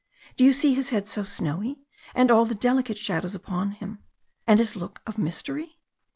Do you see his head so snowy, and all the delicate shadows upon him, and his look of mystery?